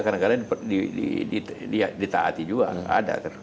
karena di taati juga